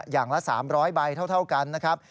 อย่างละ๓๐๐ใบเท่ากันนะครับ